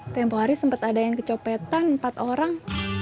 tempo hari sempet ada yang kecopetan empat orang